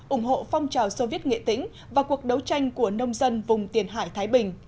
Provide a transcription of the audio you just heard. ủng hộ phong trào soviet nghệ tĩnh và cuộc đấu tranh của nông dân vùng tiền hải thái bình